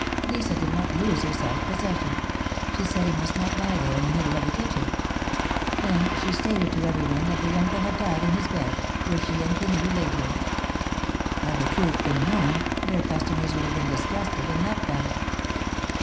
Lisa did not lose her self possession ; she said he must not lie there in the middle of the kitchen. Then she stated to every one that the uncle had died in his bed, where she and Quenii laid him. Had the truth been known, their customers 72 THE MARKETS OF PARIS. would have been disgusted and left them.